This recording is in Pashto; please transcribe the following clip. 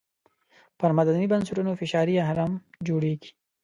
پر مدني بنسټونو فشاري اهرم جوړېږي.